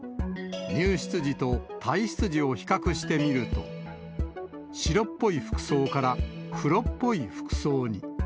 入室時と退室時を比較してみると、白っぽい服装から黒っぽい服装に。